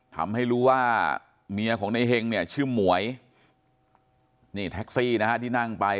ทำให้รู้ว่าเมียของในเฮงเนี่ยชื่อหมวยนี่แท็กซี่นะฮะที่นั่งไป